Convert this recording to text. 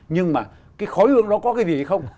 nhưng mà cái khối hương đó có cái gì không